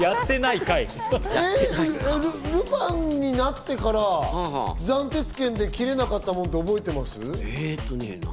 ルパンになってから斬鉄剣で斬れなかったものって覚えてます？